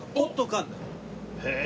へえ！